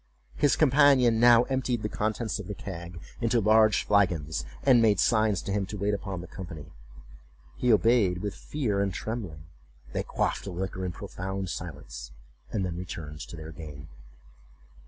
His companion now emptied the contents of the keg into large flagons, and made signs to him to wait upon the company. He obeyed with fear and trembling; they quaffed the liquor in profound silence, and then returned to their game.